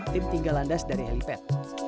tim tinggal landas dari helipad